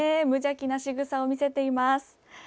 無邪気なしぐさを見せています。